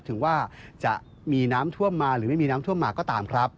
ถึงว่าจะมีน้ำท่วมมาหรือไม่มีน้ำท่วมมาก็ตามครับ